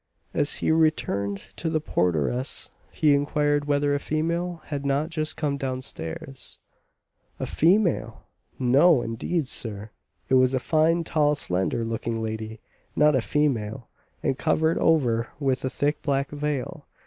As he returned to the porteress, he inquired whether a female had not just come down stairs. "A female! No indeed, sir, it was a fine, tall, slender looking lady, not a female, and covered over with a thick black veil.